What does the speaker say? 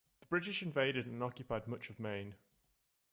The British invaded and occupied much of Maine.